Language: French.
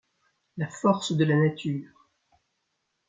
La force de la nature